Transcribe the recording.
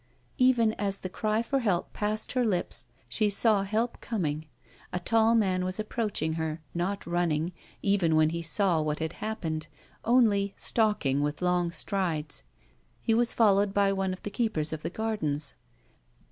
Even as the cry for help passed her lips, she saw help coming. A tall man was approaching her not running, even when he saw what had happened; only stalking with long strides. He was followed by one of the keepers of the gardens.